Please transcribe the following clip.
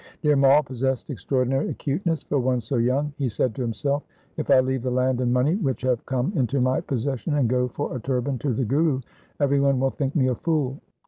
Dhir Mai possessed extraordinary acuteness for one so young. He said to himself, ' If I leave the land and money which have come into my possession and go for a turban to the Guru, every one will think me a fool.